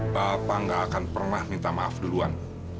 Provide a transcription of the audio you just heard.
bapak gak akan pernah minta maaf duluan